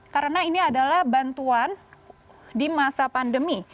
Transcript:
karena ini adalah bantuan di masa pandemi